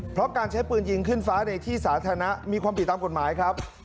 เพราะการใช้ปืนยิงขึ้นฟ้าในที่สาธารณะมีความผิดตามกฎหมายครับ